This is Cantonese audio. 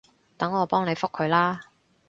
等我幫你覆佢啦